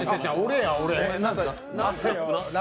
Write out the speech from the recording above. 俺や、俺。